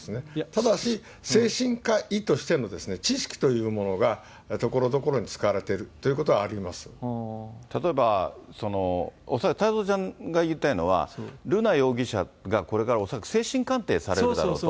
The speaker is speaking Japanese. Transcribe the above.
ただし、精神科医としての知識というものがところどころに使われてるとい例えば、恐らく太蔵ちゃんが言いたいのは、瑠奈容疑者が、これから恐らく精神鑑定されるだろうと。